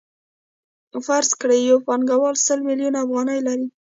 فرض کړئ یو پانګوال سل میلیونه افغانۍ لري